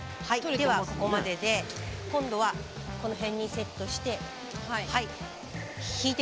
ではここまでで今度はこの辺にセットして引いてみて下さい。